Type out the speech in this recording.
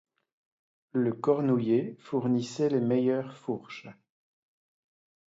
Le cornouiller fournissait les meilleures fourches.